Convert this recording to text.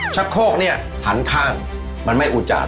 โคกเนี่ยหันข้างมันไม่อุจาด